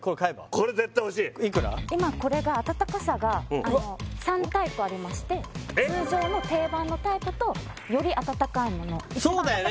これ今これが暖かさが３タイプありまして通常の定番のタイプとより暖かいものそうだよね